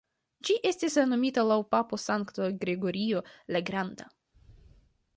Ĝi estis nomita laŭ papo Sankta Gregorio la Granda.